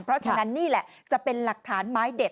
เพราะฉะนั้นนี่แหละจะเป็นหลักฐานไม้เด็ด